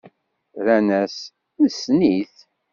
Rran-as: Nessen-it.